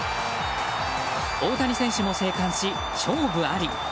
大谷選手も生還し勝負あり。